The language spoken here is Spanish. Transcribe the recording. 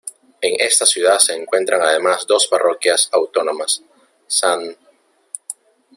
En esta ciudad se encuentran además dos parroquias autónomas: St.